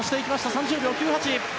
３０秒９８。